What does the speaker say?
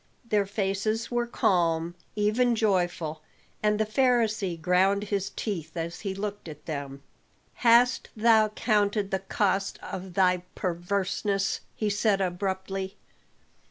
Their faces were calm, even joyful, and the Pharisee ground his teeth as he looked at them. "Hast thou counted the cost of thy perverseness?" he said abruptly.